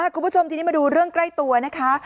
คุณผู้ชมทีนี้มาดูเรื่องใกล้ตัวนะคะ